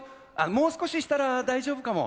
もう少ししたら大丈夫かも。